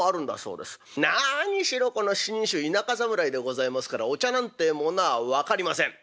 なにしろこの七人衆田舎侍でございますからお茶なんてものは分かりません。